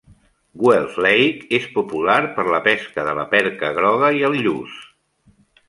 Guelph Lake és popular per la pesca de la perca groga i el lluç.